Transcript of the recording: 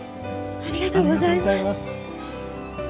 ありがとうございます。